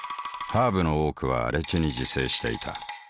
ハーブの多くは荒地に自生していた。